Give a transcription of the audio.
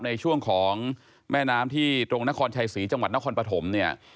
ในช่วงของแม่น้ำที่ตรงนครชัยศรีจังหวัดนครปฐมเนี่ย